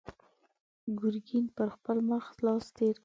ګرګين پر خپل مخ لاس تېر کړ.